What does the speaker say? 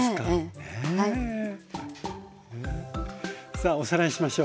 さあおさらいしましょう。